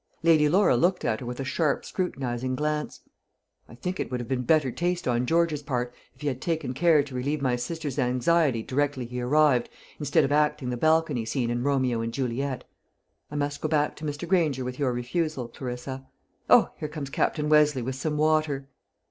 Lady Laura looked at her with a sharp scrutinising glance. "I think it would have been better taste on George's part if he had taken care to relieve my sister's anxiety directly he arrived, instead of acting the balcony scene in Romeo and Juliet. I must go back to Mr. Granger with your refusal, Clarissa. O, here comes Captain Westleigh with some water."